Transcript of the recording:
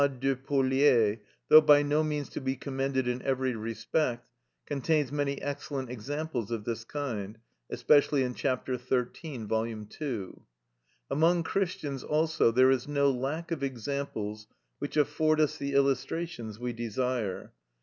de Polier," though by no means to be commended in every respect, contains many excellent examples of this kind (especially in ch. 13, vol. ii.) Among Christians also there is no lack of examples which afford us the illustrations we desire.